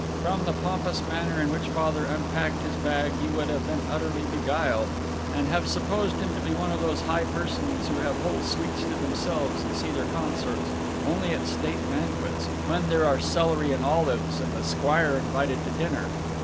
From the pompous manner in which Father unpacked his bag you would have been utterly beguiled, and have supposed him to be one of those high persons who have whole suites to themselves and see their consorts only at state banquets, when there are celery and olives, and the squire invited to dinner.